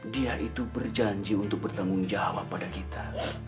dia itu berjanji untuk bertanggung jawab pada kita